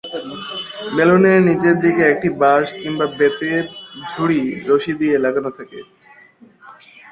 বেলুনের নিচের দিকে একটা বাঁশ কিংবা বেতের ঝুড়ি রশি দিয়ে লাগানো থাকে।